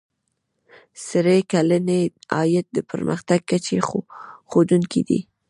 سړي سر کلنی عاید د پرمختګ کچې ښودونکی دی.